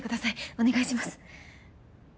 お願いします。